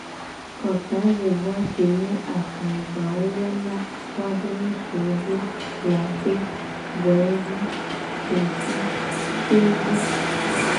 Kota ve go a ke nyi akagba a wo yona woabe ngusuwo be : late, boevi, fesu, tevi.